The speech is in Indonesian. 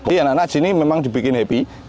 iya anak anak di sini memang dibikin happy